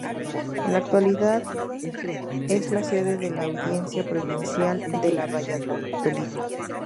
En la actualidad es la sede de la Audiencia Provincial de Valladolid.